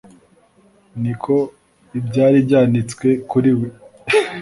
"Niko ibyari byanditswe kuri we,